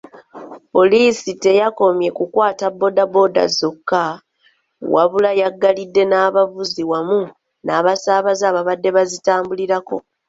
Poliisi teyakomye kukwata bbooda bbooda zokka, wabula yaggalidde n'abavuzi wamu n'abasaabaze abaabadde bazitambuliriko.